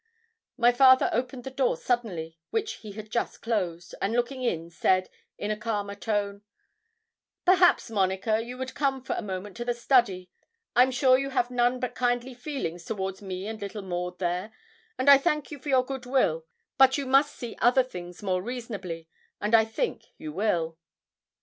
My father opened the door suddenly, which he had just closed, and looking in, said, in a calmer tone 'Perhaps, Monica, you would come for a moment to the study; I'm sure you have none but kindly feelings towards me and little Maud, there; and I thank you for your good will; but you must see other things more reasonably, and I think you will.'